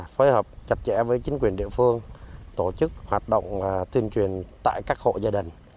phối hợp chặt chẽ với chính quyền địa phương tổ chức hoạt động tuyên truyền tại các hộ gia đình